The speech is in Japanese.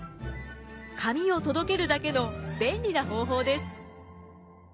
紙を届けるだけの便利な方法です。